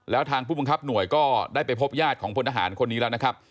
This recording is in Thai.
แล้วทางผู้บังคับหน่วยก็ได้ไปพบญาติของพลทหารคนนี้แล้วนะครับ